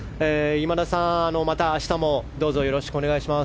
今田さん、また明日もよろしくお願いします。